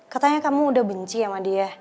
katanya kamu udah benci sama dia